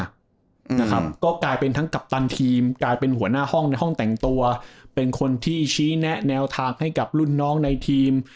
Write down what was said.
นะครับก็กลายเป็นทั้งกัปตันทีมกลายเป็นหัวหน้าห้องในห้องแต่งตัวเป็นคนที่ชี้แนะแนวทางให้กับรุ่นน้องในทีม